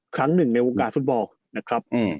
ครั้งหนึ่งในวงการฟุตบอล